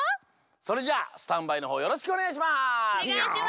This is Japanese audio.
それじゃあスタンバイのほうよろしくおねがいします！